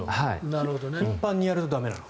頻繁にやると駄目なんだ。